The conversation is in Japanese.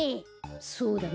そうだな。